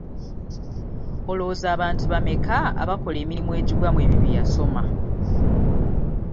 Olowooza bantu bammeka abakola emirimu egigwa mw'ebyo bye baasoma?